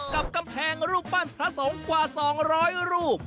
กับกำแพงรูปปั้นพระสงฆ์กว่า๒๐๐รูป